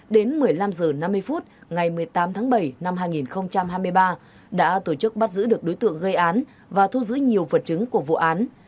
đến một mươi năm h năm mươi phút ngày một mươi tám tháng bảy năm hai nghìn hai mươi ba đã tổ chức bắt giữ được đối tượng gây án và thu giữ nhiều vật chứng của vụ án